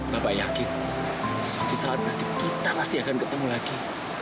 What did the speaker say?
bapak yakin suatu saat nanti kita pasti akan ketemu lagi